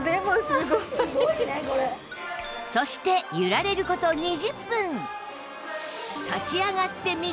そして揺られる事２０分